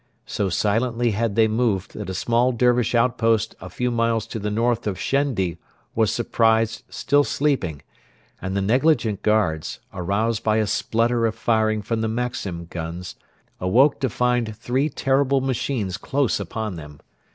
So silently had they moved that a small Dervish outpost a few miles to the north of Shendi was surprised still sleeping, and the negligent guards, aroused by a splutter of firing from the Maxim guns, awoke to find three terrible machines close upon them.